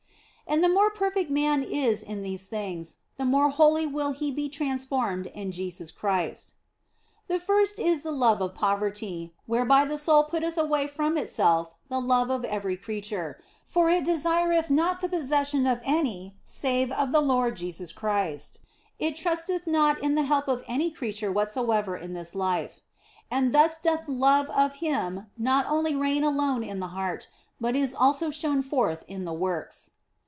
And the more perfect man is in these things, the more wholly will he be transformed in Jesus Christ. The first is the love of poverty, whereby the soul putteth away from itself the love of every creature ; for it desireth not the possession of any save of the Lord Jesus Christ, it trusteth not in the help of any creature whatsoever in this life ; and thus doth love of Him not only reign alone in the heart, but is also shown forth in the works.